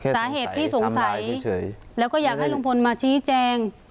สาเหตุที่สงสัยแล้วก็อยากให้ลุงพลมาชี้แจง